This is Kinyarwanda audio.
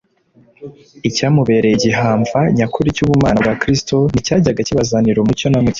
Icyamubereye igihamva nyakuri cy'ubumana bwa Kristo nticyajyaga kubazanira umucyo na muke.